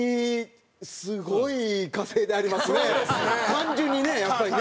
単純にねやっぱりね。